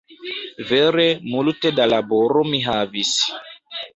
Vere multe da laboro mi havis